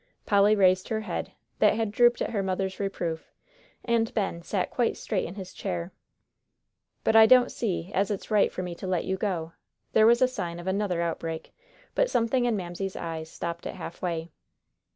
Polly raised her head, that had drooped at her mother's reproof, and Ben sat quite straight in his chair. "But I don't see as it's right for me to let you go." There was a sign of another outbreak, but something in Mamsie's eyes stopped it halfway.